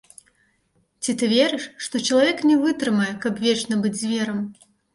Ці ты верыш, што чалавек не вытрымае, каб вечна быць зверам?